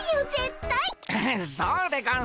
うんそうでゴンス。